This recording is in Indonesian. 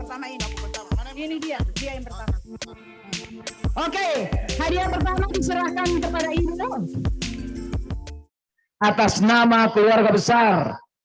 atas nama keluarga besar